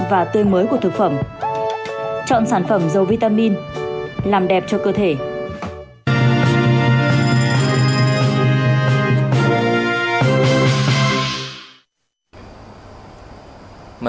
và tươi mới của thực phẩm